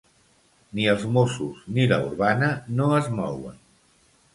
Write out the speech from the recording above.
Ni els Mossos ni la Urbana no es mouen.